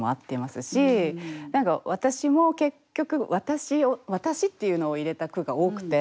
何か私も結局「私」っていうのを入れた句が多くて。